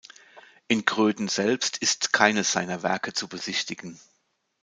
In Gröden selbst ist keines seiner Werke zu besichtigen.